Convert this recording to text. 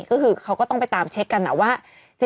ก็คือเขาก็ต้องไปตามเช็คกันนะว่า